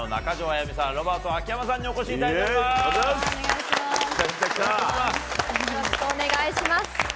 よろしくお願いします。